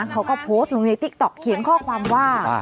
เขาก็โพสต์ลงในติ๊กต๊อกเขียนข้อความว่า